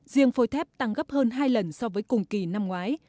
riêng phôi thép tăng gấp hơn hai lần so với cùng kỳ năm ngoái